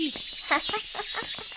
ハハハ。